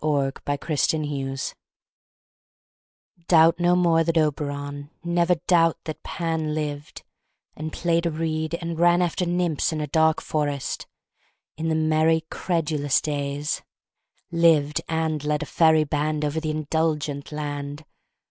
DOUBT NO MORE THAT OBERON Doubt no more that Oberon Never doubt that Pan Lived, and played a reed, and ran After nymphs in a dark forest, In the merry, credulous days, Lived, and led a fairy band Over the indulgent land!